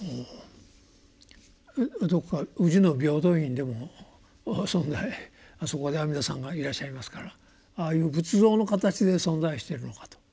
どこか宇治の平等院でも存在あそこで阿弥陀さんがいらっしゃいますからああいう仏像の形で存在してるのかと。